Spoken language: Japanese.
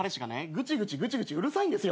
グチグチグチグチうるさいんですよ。